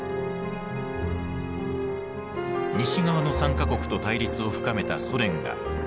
西側の３か国と対立を深めたソ連がベルリンを封鎖。